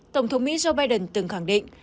tổng thống mỹ joe biden từng khẳng định